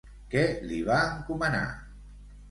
Què li va encomanar?